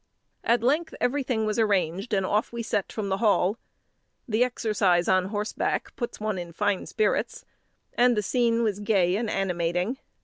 At length everything was arranged, and off we set from the Hall. The exercise on horseback puts one in fine spirits; and the scene was gay and animating.